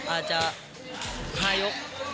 อาจจะ๕ยก